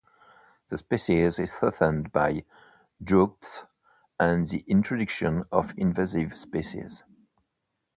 The species is threatened by droughts and the introduction of invasive species.